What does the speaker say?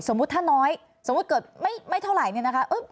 ถ้าน้อยสมมุติเกิดไม่เท่าไหร่เนี่ยนะคะ